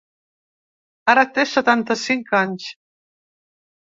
Ara té setanta-cinc anys.